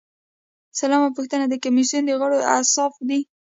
سلمه پوښتنه د کمیسیون د غړو اوصاف دي.